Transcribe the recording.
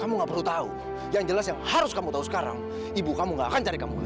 kamu gak perlu tahu yang jelas yang harus kamu tahu sekarang ibu kamu gak akan cari kamu